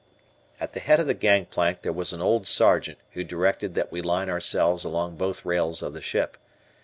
At the head of the gangplank there was an old Sergeant who directed that we line ourselves along both rails of the ship.